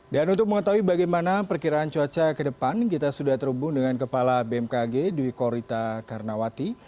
dan untuk mengetahui bagaimana perkiraan cuaca ke depan kita sudah terhubung dengan kepala bmkg dwi korita karnawati